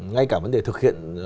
ngay cả vấn đề thực hiện